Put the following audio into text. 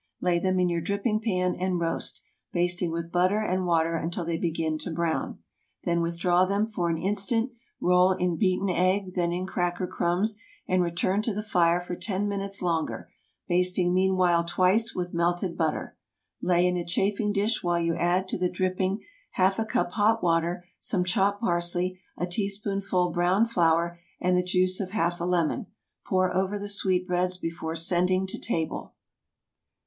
Lay them in your dripping pan, and roast, basting with butter and water until they begin to brown. Then withdraw them for an instant, roll in beaten egg, then in cracker crumbs, and return to the fire for ten minutes longer, basting meanwhile twice with melted butter. Lay in a chafing dish while you add to the dripping half a cup hot water, some chopped parsley, a teaspoonful browned flour, and the juice of half a lemon. Pour over the sweet breads before sending to table.